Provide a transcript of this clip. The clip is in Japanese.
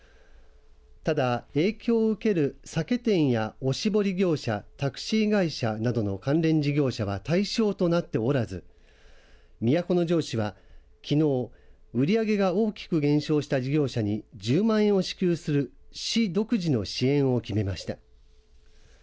ただ、影響を受ける酒店やおしぼり業者タクシー会社などの関連事業者は対象となっておらず都城市はきのう、売り上げが大きく減少した事業者に１０万円を支給する市独自の支援を決めました。